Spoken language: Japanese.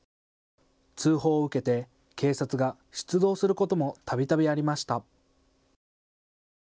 通報を受けて警察が出動することもたびたびありました。